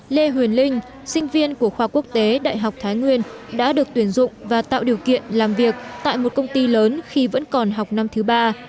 lê huyền linh sinh viên của khoa quốc tế đại học thái nguyên đã được tuyển dụng và tạo điều kiện làm việc tại một công ty lớn khi vẫn còn học năm thứ ba